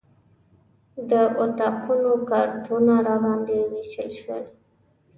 د اتاقونو کارتونه راباندې ووېشل شول.